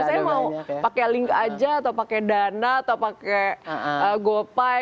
saya mau pakai link aja atau pakai dana atau pakai gopay